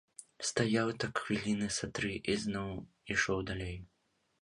Стаяў так хвіліны са тры і зноў ішоў далей.